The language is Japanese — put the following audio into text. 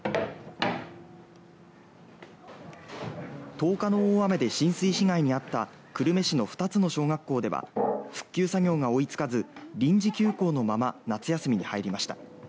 １０日の大雨で浸水被害に遭った久留米市の２つの小学校では復旧作業が追いつかず臨時休校のまま夏休みに入りました。